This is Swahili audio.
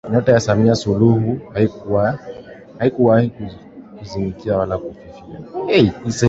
Nyota ya Samia Suluhu haikuwahi kuzimika wala kufifia